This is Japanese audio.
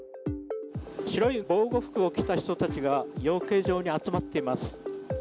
白い防護服を着た人たちが養鶏場に集まっています。